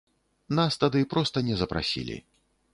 Нас тады проста не запрасілі.